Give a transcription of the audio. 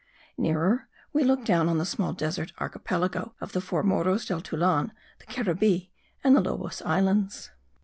Nearer we look down on the small desert archipelago of the four Morros del Tunal, the Caribbee and the Lobos Islands.